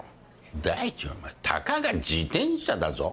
第一お前たかが自転車だぞ。